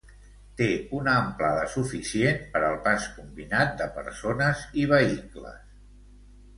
Té una amplada suficient per al pas combinat de persones i vehicles.